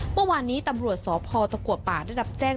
เมื่อวานนี้ตำรวจสพตะกัวป่าได้รับแจ้ง